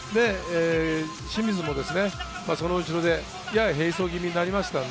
清水も、その後ろでやや並走気味になりました。